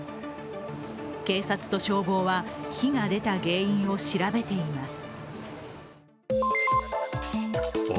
警察と消防は火が出た原因を調べています。